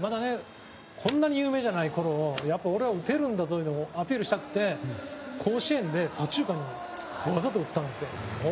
まだね、こんなに有名じゃない頃俺は打てるんだぞいうのをアピールしたくて甲子園で、左中間にわざと打ったんですよ。